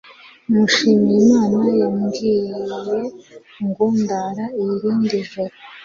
Mushimiyimana yambwiye ngo ndara irindi joro.